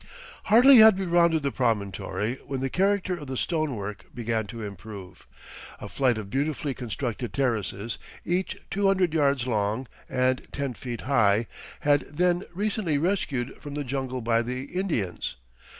Hardly had we rounded the promontory when the character of the stonework began to improve. A flight of beautifully constructed terraces, each two hundred yards long and ten feet high, had then recently rescued from the jungle by the Indians.